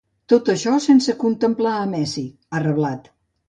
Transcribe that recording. “Tot això sense contemplar a Messi”, ha reblat.